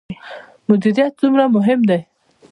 مدیریت څومره مهم دی؟